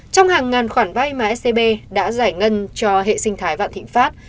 trong hàng ngàn khoản vay mà scb đã giải ngân cho hệ sinh thái vạn thịnh pháp